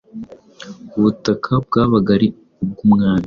ubutaka bwabaga ari ubw’umwami,